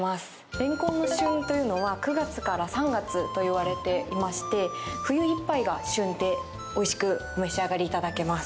レンコンの旬というのは９月から３月といわれてまして冬いっぱいが旬でおいしくお召し上がりいただけます。